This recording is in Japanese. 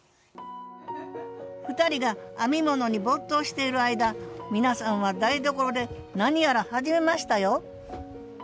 ２人が編み物に没頭している間皆さんは台所で何やら始めましたよ